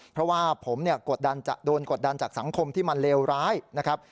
เพราะว่าผมกดดันจะโดนกดดันจากสังคมที่มันเลวร้ายนะครับ